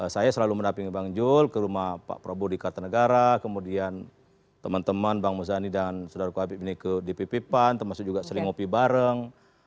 saya selalu mendapingi bang jul ke rumah pak prabowo di kartanegara kemudian teman teman bang muzani dan saudara kuabib ini ke dpp pan termasuk juga sering ngopi bareng